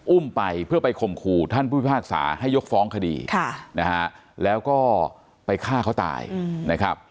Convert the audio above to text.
อุ้มไปเพื่อไปข่มขู่ท่านผู้พิพากษาให้ยกฟ้องคดีนะฮะแล้วก็ไปฆ่าเขาตายนะครับ